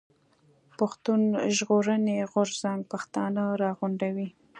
پښتون ژغورني غورځنګ پښتانه راغونډوي.